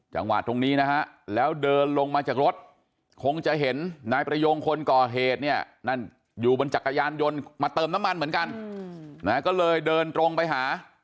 จังหวะตรงนี้นะฮะแล้วเดินลงมาจากรถคงจะเห็นนายประโยงคนก่อเหตุเนี่ยนั่นอยู่บนจักรยานยนต์มาเติมน้ำมันเหมือนกันนะก็เลยเดินตรงไปหา